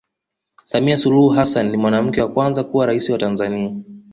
samia suluhu hassan ni mwanamke wa kwanza kuwa raisi wa tanzania